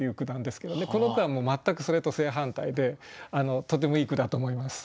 この句は全くそれと正反対でとてもいい句だと思います。